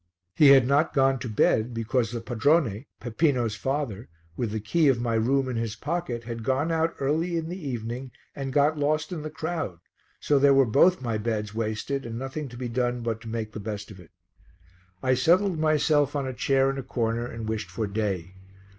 He had not gone to bed because the padrone, Peppino's father, with the key of my room in his pocket, had gone out early in the evening and got lost in the crowd, so there were both my beds wasted and nothing to be done but to make the best of it. I settled myself on a chair in a corner and wished for day.